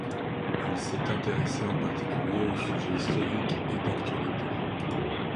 Il s'est intéressé, en particulier, aux sujets historiques et d'actualité.